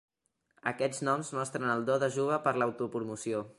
Aquests noms mostren el do de Juba per l'autopromoció.